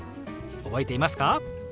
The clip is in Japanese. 覚えていますか？